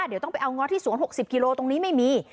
เดี๋ยวต้องไปเอาง้อที่สวน๖๐กิโลตรงนี้ไม่มี